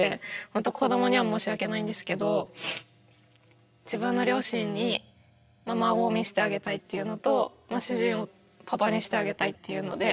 ほんと子どもには申し訳ないんですけど自分の両親に孫を見せてあげたいっていうのと主人をパパにしてあげたいっていうので。